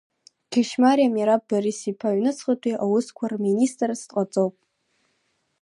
Кьышьмариа Мираб Борис-иԥа Аҩныҵҟатәи аусқәа рминистрс дҟаҵоуп…